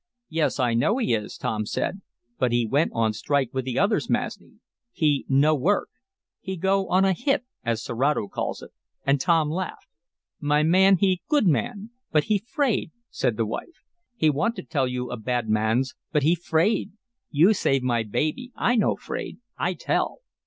"Yes, I know he is," Tom said. "But he went on a strike with the others, Masni. He no work. He go on a 'hit,' as Serato calls it," and Tom laughed. "My man he good man but he 'fraid," said the wife. "He want to tell you of bad mans, but he 'fraid. You save my baby, I no 'fraid. I tell."